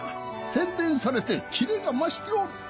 洗練されてキレが増しておる。